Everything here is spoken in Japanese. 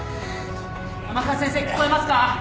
・甘春先生聞こえますか？